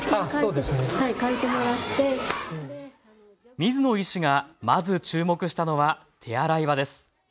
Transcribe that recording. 水野医師がまず注目したのは手洗い場です。